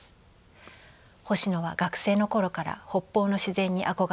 星野は学生の頃から北方の自然に憧れを抱いていました。